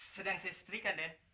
sedang selesai kan den